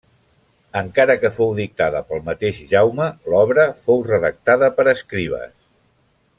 Encara que fou dictada pel mateix Jaume, l'obra fou redactada per escribes.